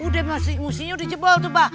udah masih musinya udah jebol tuh pak